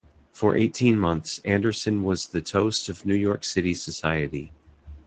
For eighteen months, Anderson was the toast of New York City society.